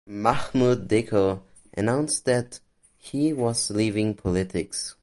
Mahmoud Dicko announced that he was leaving politics.